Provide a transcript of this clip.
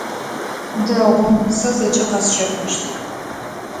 Дэгъу, сэ зэкӏэ къэсщэфыщт.